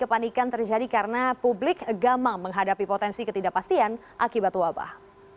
kepanikan terjadi karena publik gamang menghadapi potensi ketidakpastian akibat wabah